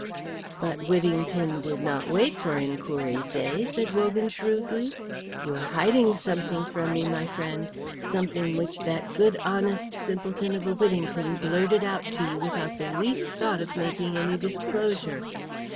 "But Whittington did not wait for inquiries, eh?" said Wogan, shrewdly. "You are hiding something from me, my friend, something which that good honest simpleton of a Whittington blurted out to you without the least thought of making any disclosure.